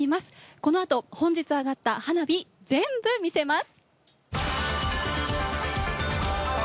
このあと本日上がった花火、全部見せます。